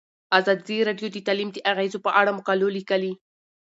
ازادي راډیو د تعلیم د اغیزو په اړه مقالو لیکلي.